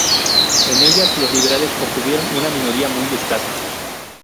En ellas, los liberales obtuvieron una minoría muy escasa.